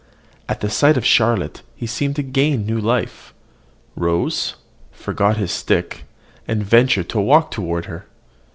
At the sight of Charlotte he seemed to gain new life, rose, forgot his stick, and ventured to walk toward her.